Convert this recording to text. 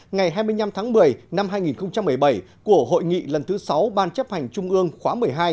ngày hai mươi năm tháng một mươi năm hai nghìn một mươi bảy của hội nghị lần thứ sáu ban chấp hành trung ương khóa một mươi hai